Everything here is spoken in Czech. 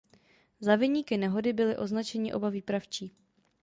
Za viníky nehody byli označeni oba výpravčí.